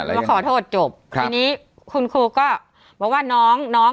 มาขอโทษจบทีนี้คุณครูก็บอกว่าน้องน้อง